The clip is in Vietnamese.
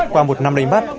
qua một năm đánh bắt